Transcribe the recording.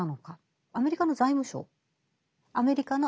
アメリカの財務省。